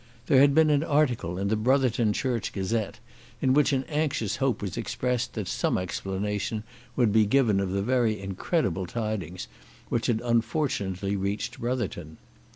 There had been an article in the "Brotherton Church Gazette," in which an anxious hope was expressed that some explanation would be given of the very incredible tidings which had unfortunately reached Brotherton.